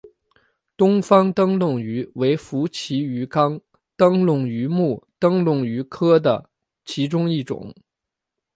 东方灯笼鱼为辐鳍鱼纲灯笼鱼目灯笼鱼科的其中一种。